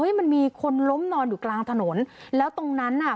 มันมีคนล้มนอนอยู่กลางถนนแล้วตรงนั้นน่ะ